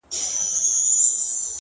o اوس په فلسفه باندي پوهېږمه ـ